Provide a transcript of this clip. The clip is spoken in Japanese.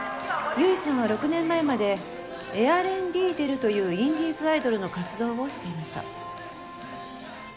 結衣さんは６年前までエアレンディーテルというインディーズアイドルの活動をしていました。